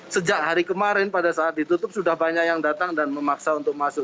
sejak hari kemarin pada saat ditutup sudah banyak yang datang dan memaksa untuk masuk